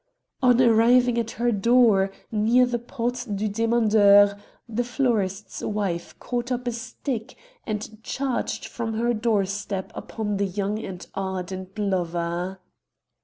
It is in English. On arriving at her door, near the Porte du Demandeur, the florist's wife caught up a stick, and charged from her doorstep upon the young and ardent lover.